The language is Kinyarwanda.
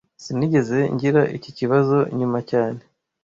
Sinigeze ngira iki kibazo nyuma cyane